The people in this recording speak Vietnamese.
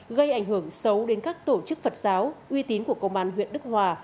gây ảnh hưởng xấu đến các tổ chức phật giáo uy tín của công an huyện đức hòa